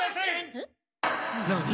えっ？何？